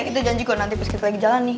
itu janji kok nanti pas kita lagi jalan nih